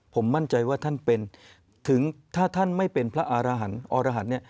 ผมมั่นใจว่าท่านเป็นถึงถ้าท่านไม่เป็นพระอารหันธ์